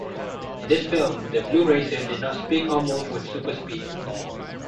In this film, the Blue Racer did not speak or move with super speed.